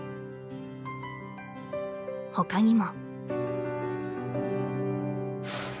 他にも。